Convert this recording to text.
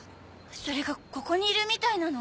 それがここにいるみたいなの。